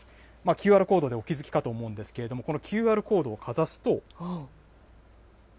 ＱＲコードでお気付きかと思うんですけど、このＱＲコードをかざすと。